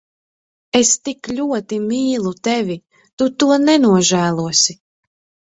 Es tik ļoti mīlu tevi. Tu to nenožēlosi.